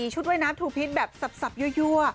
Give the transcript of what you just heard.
ชุดว่ายน้ำทูพิษแบบสับยั่ว